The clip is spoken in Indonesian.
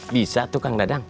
bisa tuh kang dadang